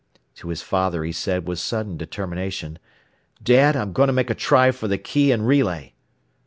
To his father he said with sudden determination, "Dad, I'm going to make a try for the key and relay."